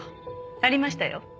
ありましたよ。